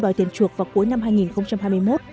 đòi tiền chuộc vào cuối năm hai nghìn hai mươi một